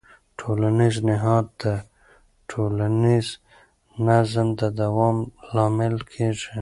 ټولنیز نهاد د ټولنیز نظم د دوام لامل کېږي.